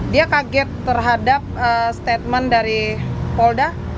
dia kaget terhadap statement dari polda